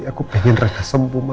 aku pengen rena sembuh mak